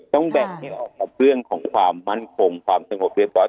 ต้องแบ่งให้ออกกับเรื่องของความมั่นคงความสงบเรียบร้อย